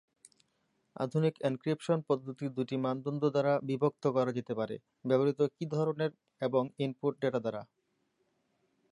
আধুনিক এনক্রিপশন পদ্ধতি দুটি মানদণ্ড দ্বারা বিভক্ত করা যেতে পারে: ব্যবহৃত কী ধরনের এবং ইনপুট ডেটা দ্বারা।